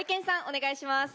お願いします。